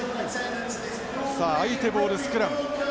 相手ボールスクラム。